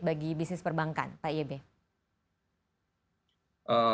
bagi bisnis perbankan pak ybe